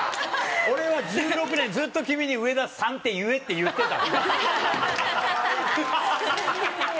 俺は１６年ずっと君に「『上田さん』って言え」って言ってた。